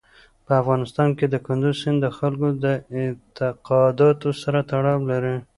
په افغانستان کې کندز سیند د خلکو د اعتقاداتو سره تړاو لري.